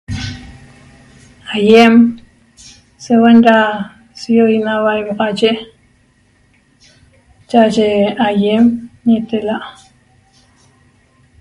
Aýem seuen da siýoi' naua iuaxa'aye cha'aye aýem ñitella't